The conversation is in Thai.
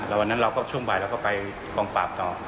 แล้ววันนั้นเราก็ช่วงบ่ายเราก็ไปกองปราบต่อ